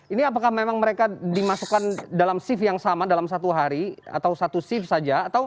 ini apakah memang mereka dimasukkan dalam shift yang sama dalam satu hari atau satu shift saja